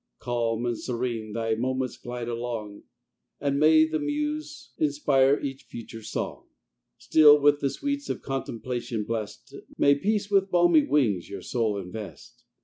Calm and serene thy moments glide along, And may the muse inspire each future song! Still, with the sweets of contemplation bless'd, May peace with balmy wings your soul invest!